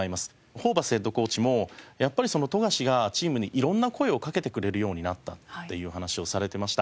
ホーバスヘッドコーチもやっぱりその富樫がチームに色んな声をかけてくれるようになったっていう話をされてました。